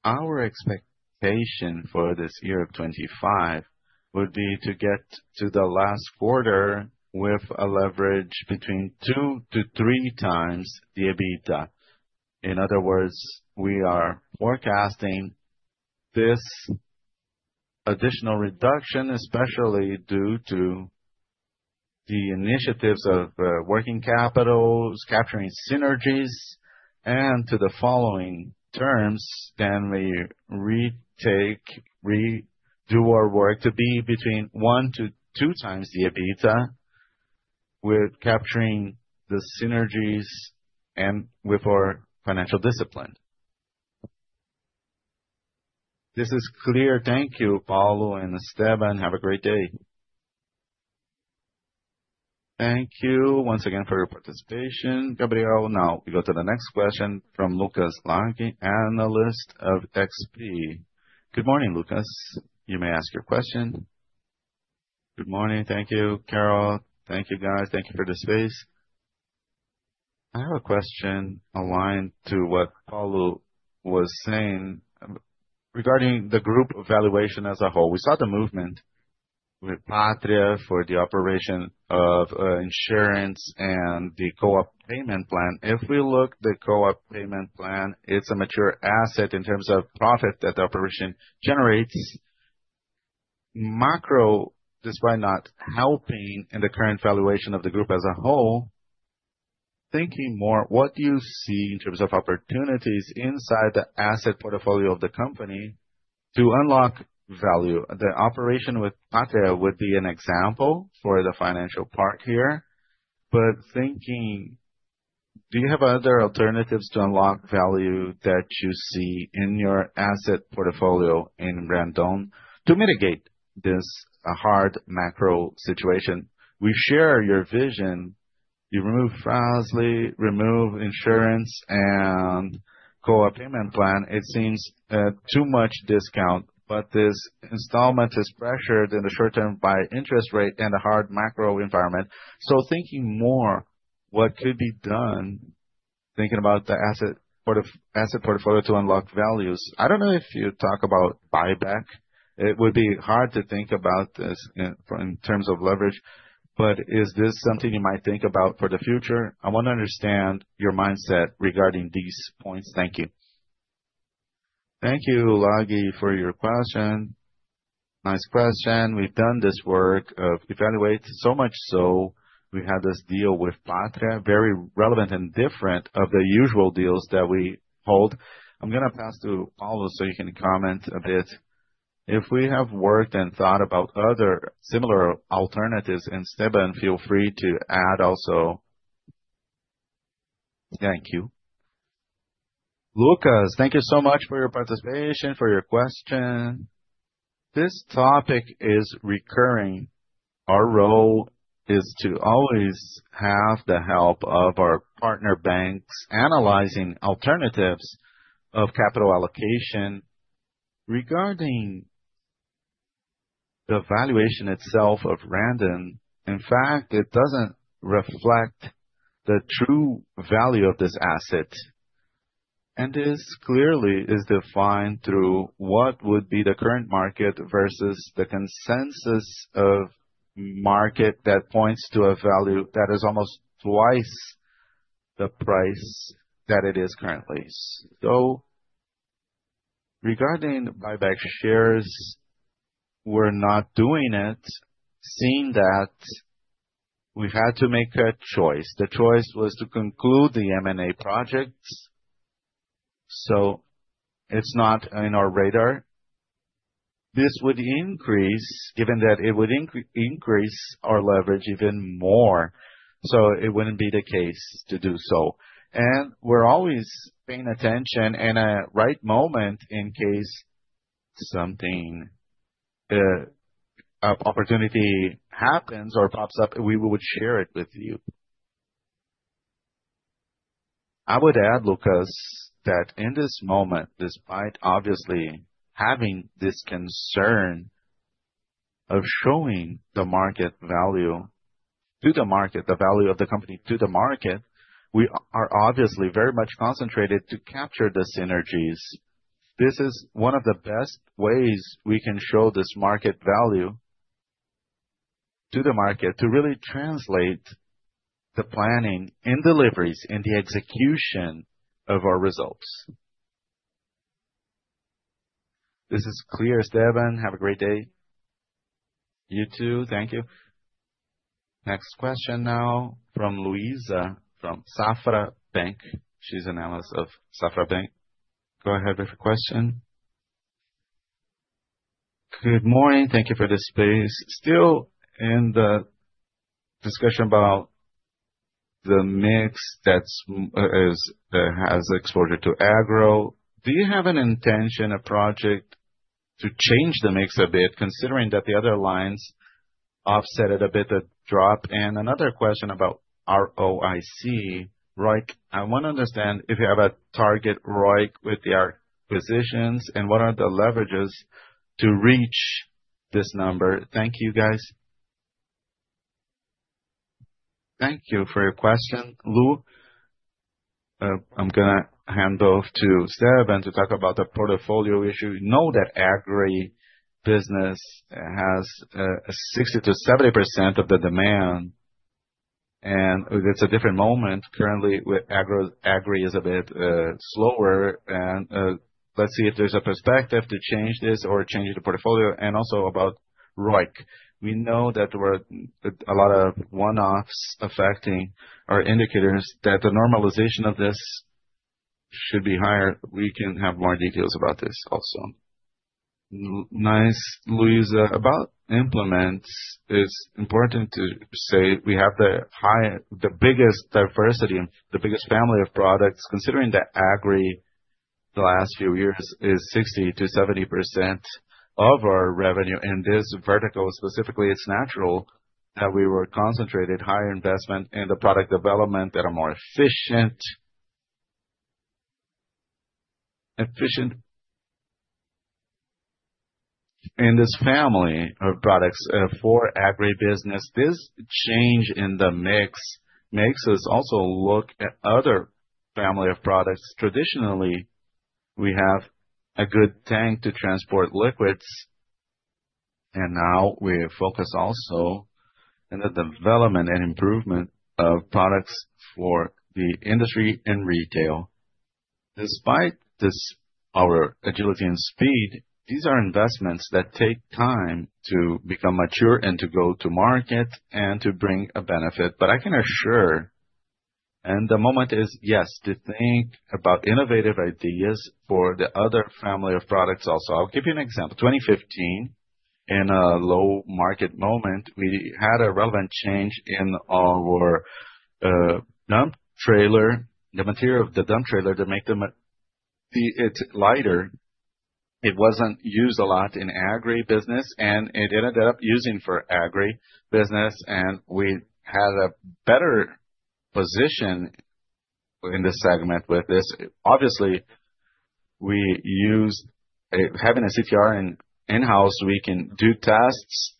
Our expectation for this year of 25 would be to get to the last quarter with a leverage between two to three times the EBITDA. In other words, we are forecasting this additional reduction, especially due to the initiatives of working capital, capturing synergies, and to the following terms, then we redo our work to be between one to two times the EBITDA with capturing the synergies and with our financial discipline. This is clear. Thank you, Paula and Steven. Have a great day. Thank you once again for your participation. Gabriel, now we go to the next question from Lucas Lange, analyst of XP. Good morning, Lucas. You may ask your question. Good morning. Thank you, Carol. Thank you, guys. Thank you for the space. I have a question aligned to what Paula was saying regarding the group valuation as a whole. We saw the movement with Patria for the operation of insurance and the co-op payment plan. If we look at the co-op payment plan, it's a mature asset in terms of profit that the operation generates. Macro, despite not helping in the current valuation of the group as a whole, thinking more, what do you see in terms of opportunities inside the asset portfolio of the company to unlock value? The operation with Patria would be an example for the financial park here. Thinking, do you have other alternatives to unlock value that you see in your asset portfolio in Randon to mitigate this hard macro situation? We share your vision. You remove Fras-le, remove insurance and co-op payment plan. It seems too much discount, but this installment is pressured in the short term by interest rate and a hard macro environment. Thinking more, what could be done thinking about the asset portfolio to unlock values? I don't know if you talk about buyback. It would be hard to think about this in terms of leverage. But is this something you might think about for the future? I want to understand your mindset regarding these points. Thank you. Thank you, Lucas, for your question. Nice question. We've done this work of evaluate so much so we had this deal with Patria, very relevant and different from the usual deals that we hold. I'm going to pass to Paula so you can comment a bit. If we have worked and thought about other similar alternatives, and Steven, feel free to add also. Thank you. Lucas, thank you so much for your participation, for your question. This topic is recurring. Our role is to always have the help of our partner banks analyzing alternatives of capital allocation. Regarding the valuation itself of Randon, in fact, it doesn't reflect the true value of this asset. This clearly is defined through what would be the current market versus the consensus of market that points to a value that is almost twice the price that it is currently. Regarding buyback shares, we're not doing it, seeing that we've had to make a choice. The choice was to conclude the M&A projects. It is not on our radar. This would increase, given that it would increase our leverage even more. It would not be the case to do so. We are always paying attention in a right moment in case something, an opportunity happens or pops up, we would share it with you. I would add, Lucas, that in this moment, despite obviously having this concern of showing the market value to the market, the value of the company to the market, we are obviously very much concentrated to capture the synergies. This is one of the best ways we can show this market value to the market to really translate the planning and deliveries and the execution of our results. This is clear. Steven, have a great day. You too. Thank you. Next question now from Luisa from Safra Bank. She is an analyst of Safra Bank. Go ahead with your question. Good morning. Thank you for the space. Still in the discussion about the mix that has exposure to agro. Do you have an intention, a project to change the mix a bit, considering that the other lines offset it a bit to drop? Another question about ROIC, ROIC. I want to understand if you have a target ROIC with the acquisitions and what are the leverages to reach this number? Thank you, guys. Thank you for your question, Lu. I'm going to hand off to Steven to talk about the portfolio issue. Know that agribusiness has 60%-70% of the demand. It is a different moment. Currently, agri is a bit slower. Let's see if there is a perspective to change this or change the portfolio. Also about ROIC. We know that there were a lot of one-offs affecting our indicators, that the normalization of this should be higher. We can have more details about this also. Nice. Luisa, about implements, it is important to say we have the biggest diversity and the biggest family of products, considering that agri the last few years is 60%-70% of our revenue in this vertical specifically. It is natural that we were concentrated higher investment in the product development that are more efficient. In this family of products for agribusiness, this change in the mix makes us also look at other family of products. Traditionally, we have a good tank to transport liquids. Now we focus also on the development and improvement of products for the industry and retail. Despite our agility and speed, these are investments that take time to become mature and to go to market and to bring a benefit. I can assure, and the moment is yes, to think about innovative ideas for the other family of products also. I'll give you an example. In 2015, in a low market moment, we had a relevant change in our dump trailer, the material of the dump trailer to make it lighter. It was not used a lot in agribusiness, and it ended up being used for agribusiness. We had a better position in the segment with this. Obviously, having a CTR in-house, we can do tests.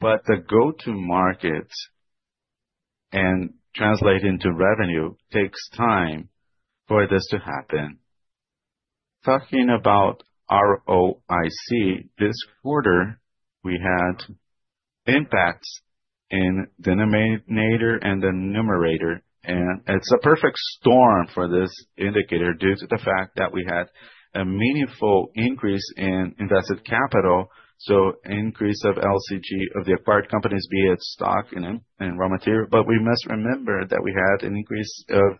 The go-to market and translate into revenue takes time for this to happen. Talking about ROIC, this quarter, we had impacts in the denominator and the numerator. It is a perfect storm for this indicator due to the fact that we had a meaningful increase in invested capital. Increase of LCG of the acquired companies, be it stock and raw material. We must remember that we had an increase of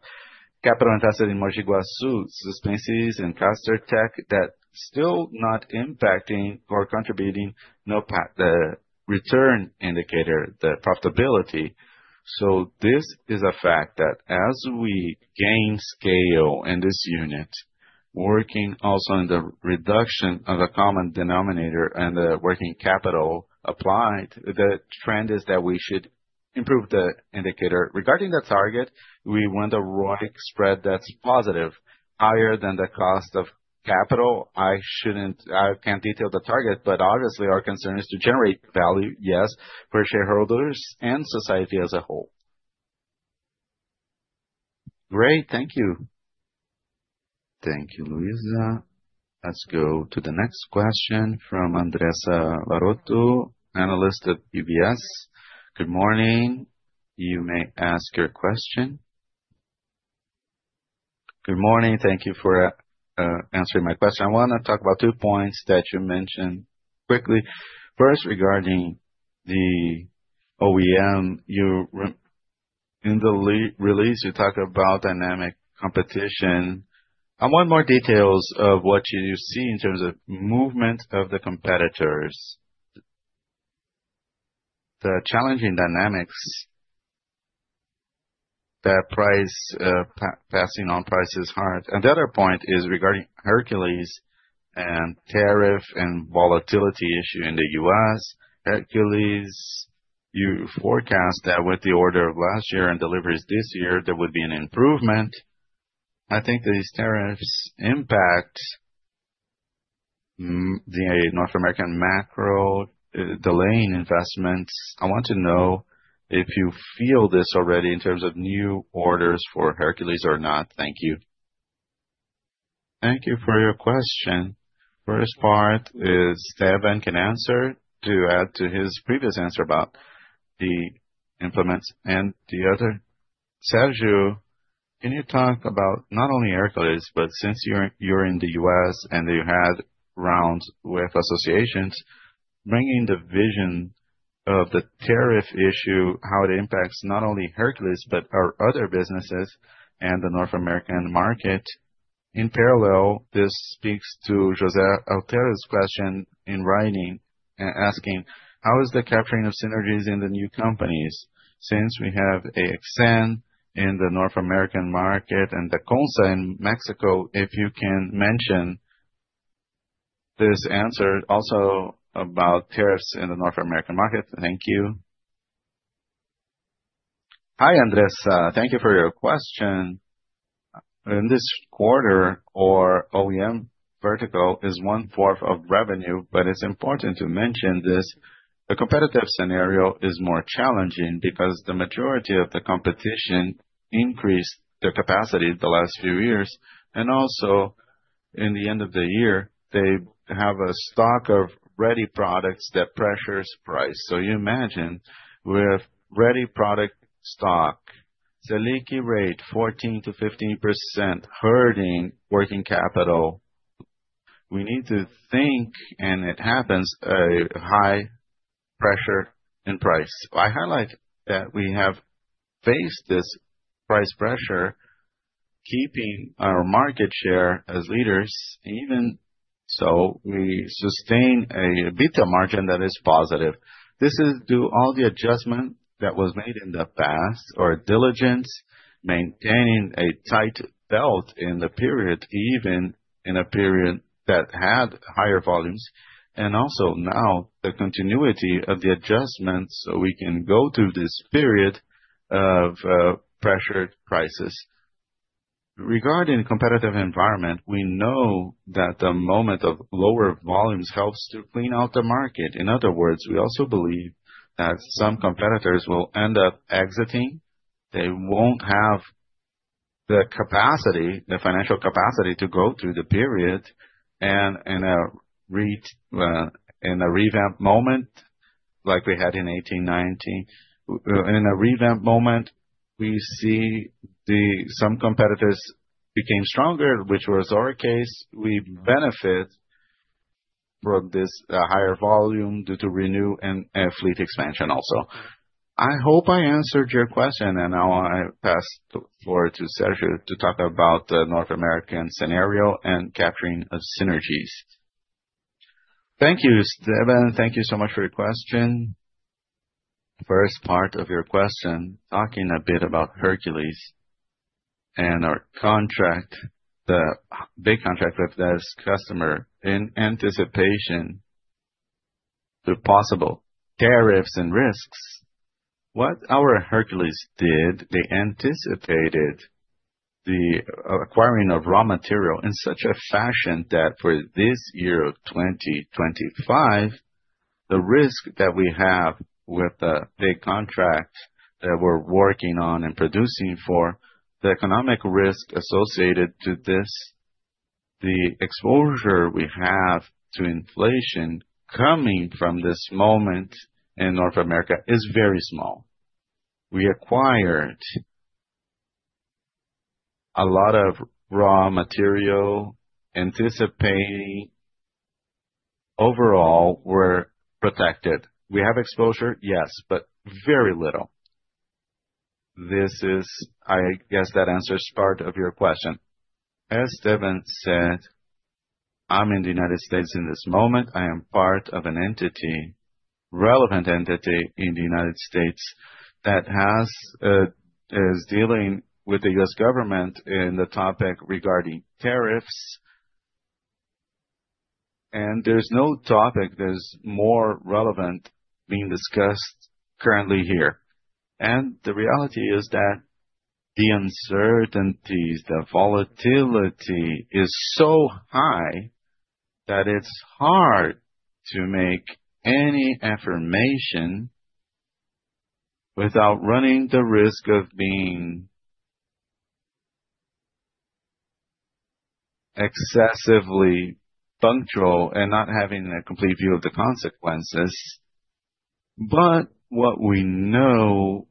capital invested in Mojiguaçu, Suspensys, and Caster Tech that still not impacting or contributing the return indicator, the profitability. This is a fact that as we gain scale in this unit, working also in the reduction of the common denominator and the working capital applied, the trend is that we should improve the indicator. Regarding the target, we want a ROIC spread that's positive, higher than the cost of capital. I can't detail the target, but obviously our concern is to generate value, yes, for shareholders and society as a whole. Great. Thank you. Thank you, Luisa. Let's go to the next question from Andressa Laroto, analyst at UBS. Good morning. You may ask your question. Good morning. Thank you for answering my question. I want to talk about two points that you mentioned quickly. First, regarding the OEM, in the release, you talk about dynamic competition. I want more details of what you see in terms of movement of the competitors, the challenging dynamics, that price passing on prices is hard. The other point is regarding Hercules and tariff and volatility issue in the U.S. Hercules, you forecast that with the order of last year and deliveries this year, there would be an improvement. I think these tariffs impact the North American macro delay in investments. I want to know if you feel this already in terms of new orders for Hercules or not. Thank you. Thank you for your question. First part is Steven can answer to add to his previous answer about the implements and the other. Sergio, can you talk about not only Hercules, but since you're in the U.S. and you had rounds with associations, bringing the vision of the tariff issue, how it impacts not only Hercules, but our other businesses and the North American market. In parallel, this speaks to José Altero's question in writing and asking, how is the capturing of synergies in the new companies since we have AXN in the North American market and the KONSA in Mexico? If you can mention this answer also about tariffs in the North American market. Thank you. Hi, Andressa. Thank you for your question. In this quarter, our OEM vertical is one fourth of revenue, but it's important to mention this. The competitive scenario is more challenging because the majority of the competition increased their capacity the last few years. Also, in the end of the year, they have a stock of ready products that pressures price. You imagine with ready product stock, Selic rate 14%-15% hurting working capital. We need to think, and it happens, high pressure in price. I highlight that we have faced this price pressure, keeping our market share as leaders. Even so, we sustain a beta margin that is positive. This is due to all the adjustment that was made in the past or diligence, maintaining a tight belt in the period, even in a period that had higher volumes. Also, now the continuity of the adjustments so we can go through this period of pressured prices. Regarding the competitive environment, we know that the moment of lower volumes helps to clean out the market. In other words, we also believe that some competitors will end up exiting. They will not have the capacity, the financial capacity to go through the period. In a revamp moment, like we had in 1890, in a revamp moment, we see some competitors became stronger, which was our case. We benefit from this higher volume due to renew and fleet expansion also. I hope I answered your question, and now I pass forward to Sergio to talk about the North American scenario and capturing of synergies. Thank you, Steven. Thank you so much for your question. First part of your question, talking a bit about Hercules and our contract, the big contract with this customer in anticipation to possible tariffs and risks. What our Hercules did, they anticipated the acquiring of raw material in such a fashion that for this year of 2025, the risk that we have with the big contract that we're working on and producing for, the economic risk associated to this, the exposure we have to inflation coming from this moment in North America is very small. We acquired a lot of raw material, anticipating overall we're protected. We have exposure, yes, but very little. This is, I guess, that answers part of your question. As Steven said, I'm in the United States in this moment. I am part of an entity, relevant entity in the United States that is dealing with the U.S. government in the topic regarding tariffs. There's no topic that is more relevant being discussed currently here. The reality is that the uncertainties, the volatility is so high that it's hard to make any affirmation without running the risk of being excessively punctual and not having a complete view of the consequences. What we know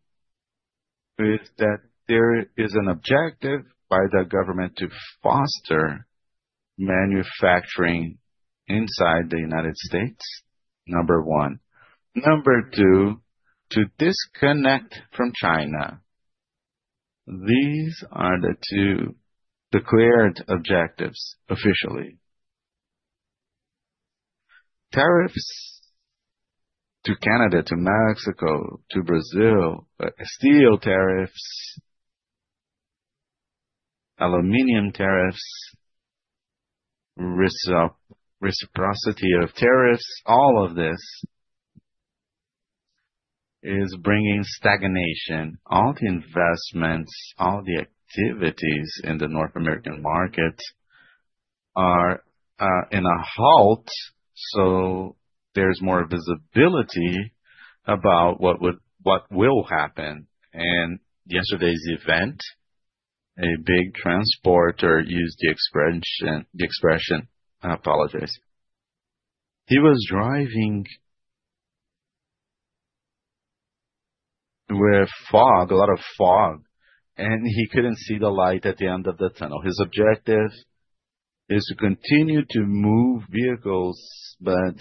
is that there is an objective by the government to foster manufacturing inside the United States, number one. Number two, to disconnect from China. These are the two declared objectives officially. Tariffs to Canada, to Mexico, to Brazil, steel tariffs, aluminum tariffs, reciprocity of tariffs, all of this is bringing stagnation. All the investments, all the activities in the North American market are in a halt, so there is more visibility about what will happen. Yesterday's event, a big transporter used the expression, I apologize. He was driving with fog, a lot of fog, and he could not see the light at the end of the tunnel. His objective is to continue to move vehicles, but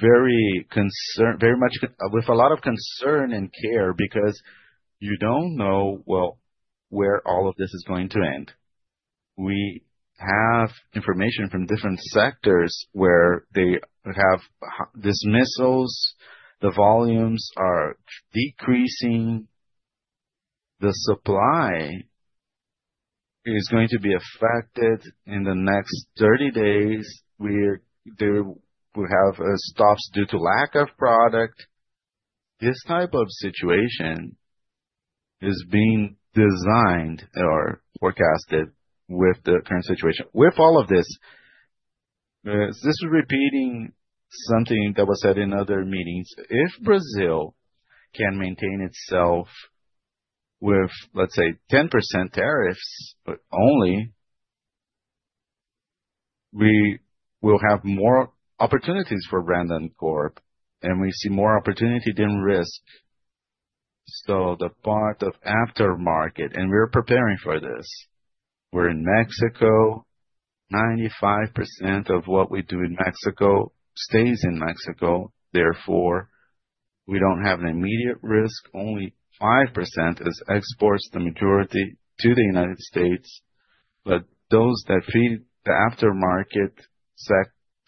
very much with a lot of concern and care because you do not know well where all of this is going to end. We have information from different sectors where they have dismissals. The volumes are decreasing. The supply is going to be affected in the next 30 days. We have stops due to lack of product. This type of situation is being designed or forecasted with the current situation. With all of this, this is repeating something that was said in other meetings. If Brazil can maintain itself with, let's say, 10% tariffs only, we will have more opportunities for Randon Corp, and we see more opportunity than risk. The part of aftermarket, and we're preparing for this. We're in Mexico. 95% of what we do in Mexico stays in Mexico. Therefore, we don't have an immediate risk. Only 5% is exports, the majority to the United States. Those that feed the aftermarket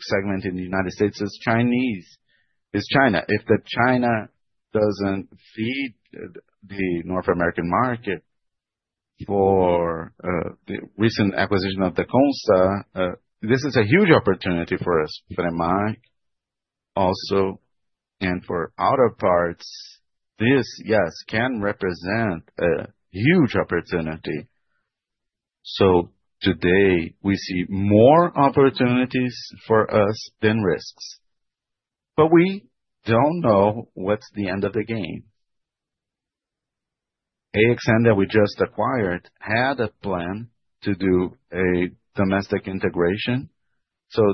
segment in the United States is China. If China doesn't feed the North American market for the recent acquisition of KONSA, this is a huge opportunity for us, for the market also, and for auto parts. This, yes, can represent a huge opportunity. Today, we see more opportunities for us than risks. We don't know what's the end of the game. AXN that we just acquired had a plan to do a domestic integration.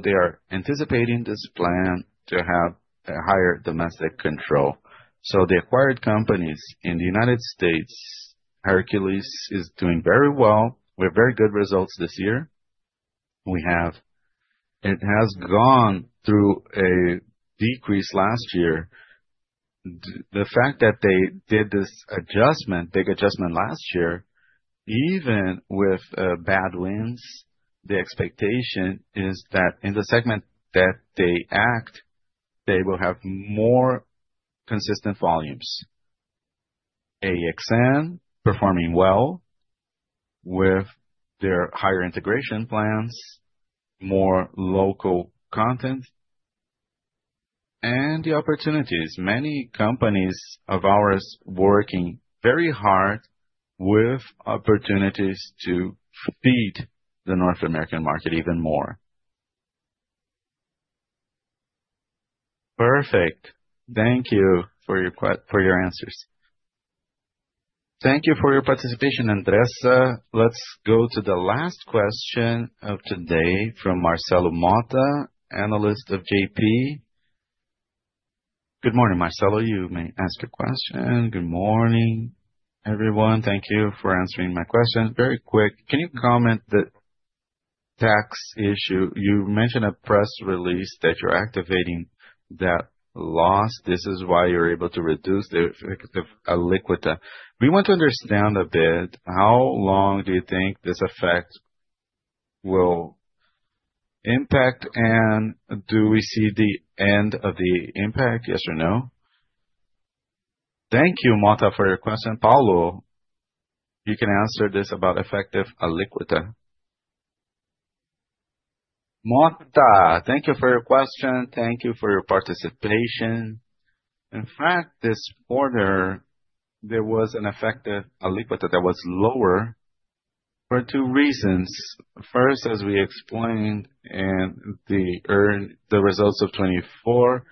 They are anticipating this plan to have a higher domestic control. The acquired companies in the United States, Hercules is doing very well. We have very good results this year. It has gone through a decrease last year. The fact that they did this adjustment, big adjustment last year, even with bad winds, the expectation is that in the segment that they act, they will have more consistent volumes. AXN performing well with their higher integration plans, more local content, and the opportunities. Many companies of ours working very hard with opportunities to feed the North American market even more. Perfect. Thank you for your answers. Thank you for your participation, Andressa. Let's go to the last question of today from Marcelo Motta, analyst of JP. Good morning, Marcelo. You may ask a question. Good morning, everyone. Thank you for answering my question. Very quick, can you comment the tax issue? You mentioned a press release that you're activating that loss. This is why you're able to reduce the liquidity. We want to understand a bit. How long do you think this effect will impact, and do we see the end of the impact? Yes or no? Thank you, Motta, for your question. Paulo, you can answer this about effective aliquota. Motta, thank you for your question. Thank you for your participation. In fact, this order, there was an effective aliquota that was lower for two reasons. First, as we explained in the results of 2024,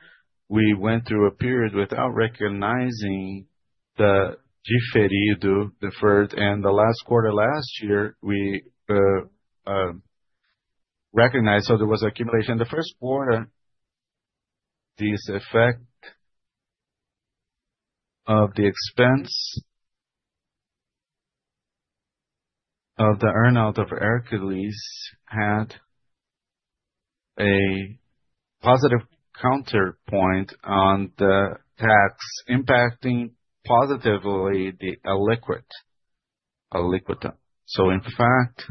we went through a period without recognizing the deferred and the last quarter last year. We recognized there was accumulation in the first quarter. This effect of the expense of the earnout of Hercules had a positive counterpoint on the tax impacting positively the aliquota. In fact,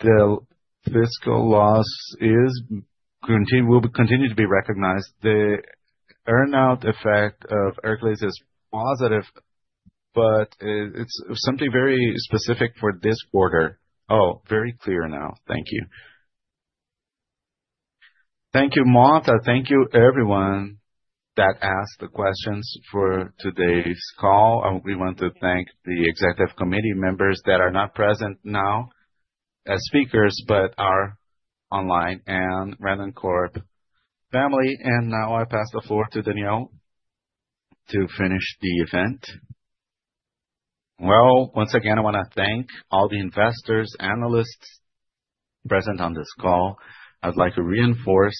the fiscal loss will continue to be recognized. The earnout effect of Hercules is positive, but it's something very specific for this quarter. Oh, very clear now. Thank you. Thank you, Motta. Thank you, everyone that asked the questions for today's call. We want to thank the executive committee members that are not present now as speakers, but are online and Randon family. I pass the floor to Daniel to finish the event. Once again, I want to thank all the investors, analysts present on this call. I'd like to reinforce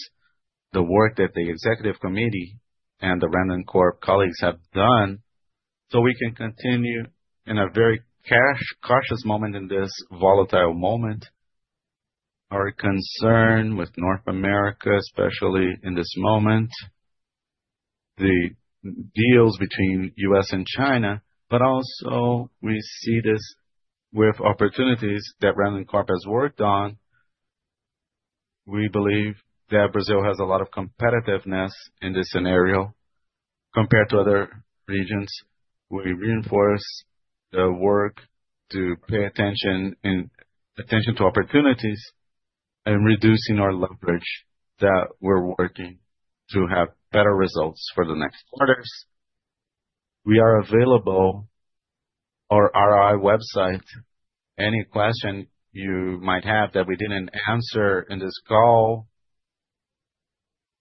the work that the executive committee and the Randon colleagues have done so we can continue in a very cautious moment in this volatile moment. Our concern with North America, especially in this moment, the deals between the U.S. and China, but also we see this with opportunities that Randon Corp has worked on. We believe that Brazil has a lot of competitiveness in this scenario compared to other regions. We reinforce the work to pay attention to opportunities and reducing our leverage that we're working to have better results for the next quarters. We are available on our ROI website. Any question you might have that we didn't answer in this call,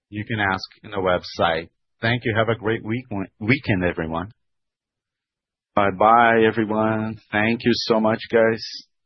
you can ask in the website. Thank you. Have a great weekend, everyone. Bye-bye, everyone. Thank you so much, guys.